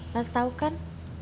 mas tau kan